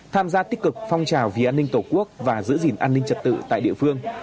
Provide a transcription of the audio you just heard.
tham gia tích cực phong trào vì an ninh tổ quốc và giữ gìn an ninh trật tự tại địa phương